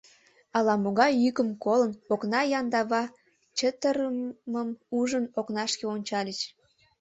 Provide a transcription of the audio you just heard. Ала-могай йӱкым колын, окна яндава чытырымым ужын, окнашке ончальыч.